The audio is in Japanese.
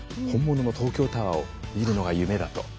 本物の東京タワーを見るのが夢だと。